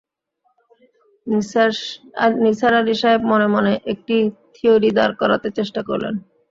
নিসার আলি সাহেব মনে মনে একটি থিওরি দাঁড় করাতে চেষ্টা করলেন।